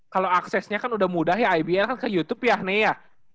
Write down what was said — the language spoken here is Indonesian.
kalau aksesnya kan udah mudah ya ibl kan ke youtube ya nea